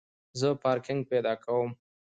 زه پارکینګ پیدا کوم